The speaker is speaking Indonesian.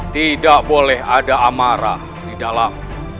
tidak boleh ada amarah di dalam